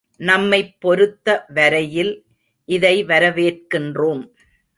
நம்மைப் பொருத்த வரையில் இதை வரவேற்கின்றோம்.